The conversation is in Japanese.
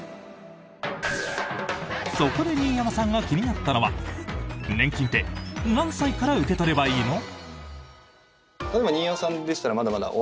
そこで新山さんが気になったのは年金って何歳から受け取ればいいの？